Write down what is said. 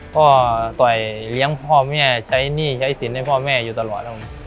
ต่อยเลี้ยงพ่อแม่ใช้หนี้ใช้สินให้พ่อแม่อยู่ตลอดแล้ว